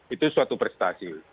itu suatu prestasi